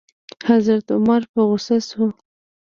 حضرت عمر په غوسه شو.